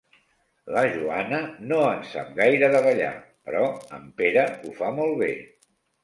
La Joana no en sap gaire de ballar, però en Pere ho fa molt bé.